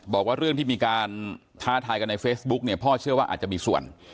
บอกว่าเรื่องที่มีการท้าทายกันในเฟซบุ๊กเนี่ยพ่อเชื่อว่าอาจจะมีส่วน